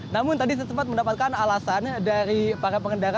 namun tadi saya sempat mendapatkan alasan dari para pengendara